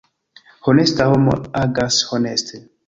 Honesta homo agas honeste.